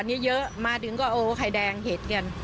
อันนี้เยอะมาถึงก็โอ้ไข่แดงเห็ดกัน